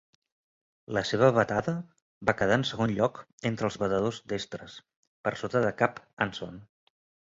La seva batada va quedar en segon lloc entre els batedors destres, per sota de Cap Anson.